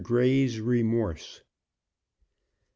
GREY'S REMORSE. Mr.